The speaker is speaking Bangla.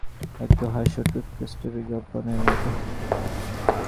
একটু হাসো, টুথপেস্টের বিজ্ঞাপনের মত।